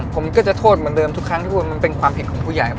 ผมก็จะโทษเหมือนเดิมทุกครั้งที่ความผิดของผู้ใหญ่